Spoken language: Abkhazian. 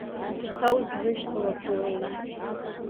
Шьҭа узрышьҭалахуеи…